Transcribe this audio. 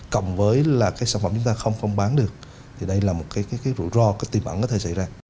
cộng với là sản phẩm chúng ta không bán được thì đây là một rủi ro tìm ẩn có thể xảy ra